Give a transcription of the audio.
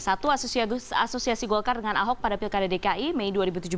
satu asosiasi golkar dengan ahok pada pilkada dki mei dua ribu tujuh belas